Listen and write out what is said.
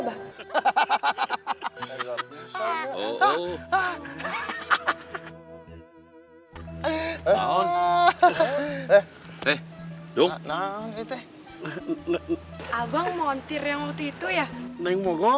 abang montir yang waktu itu ya